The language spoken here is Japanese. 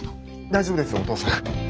大丈夫ですお父さん。